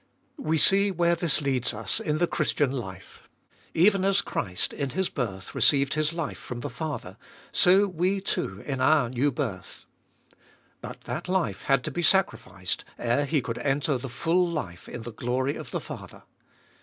We see where this leads us in the Christian life. Even as Christ in His birth received His life from the Father, so we, too, in our new birth. But that life had to be sacrificed, ere He could enter the full life in the glory of the Father.